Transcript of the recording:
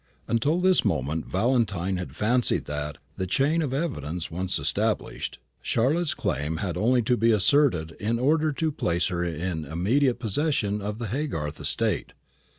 Until this moment Valentine had fancied that, the chain of evidence once established, Charlotte's claim had only to be asserted in order to place her in immediate possession of the Haygarth estate.